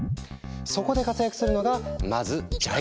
そこで活躍するのがまずジャイロセンサー！